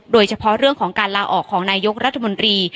โดยเฉพาะเรื่องของการลาออกของนายกรัฐมนตรี